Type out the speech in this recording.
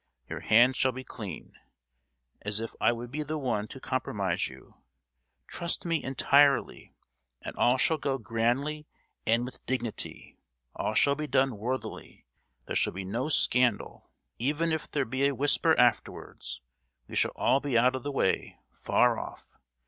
Your hands shall be clean! As if I would be the one to compromise you! Trust me entirely, and all shall go grandly and with dignity; all shall be done worthily; there shall be no scandal—even if there be a whisper afterwards, we shall all be out of the way, far off!